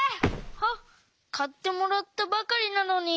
あっかってもらったばかりなのに。